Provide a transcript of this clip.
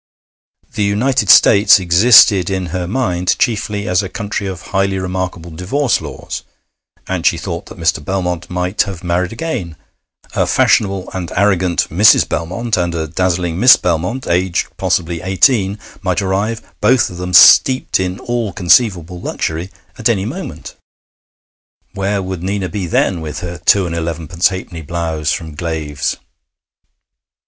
The United States existed in her mind chiefly as a country of highly remarkable divorce laws, and she thought that Mr. Belmont might have married again. A fashionable and arrogant Mrs. Belmont, and a dazzling Miss Belmont, aged possibly eighteen, might arrive, both of them steeped in all conceivable luxury, at any moment. Where would Nina be then, with her two and eleven pence halfpenny blouse from Glave's?...